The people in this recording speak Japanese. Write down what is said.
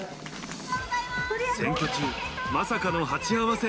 選挙中、まさかの鉢合わせ。